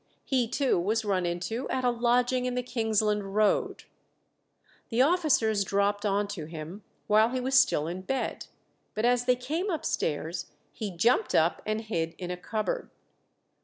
He too was run into at a lodging in the Kingsland Road. The officers dropped on to him while he was still in bed, but as they came upstairs he jumped up and hid in a cupboard.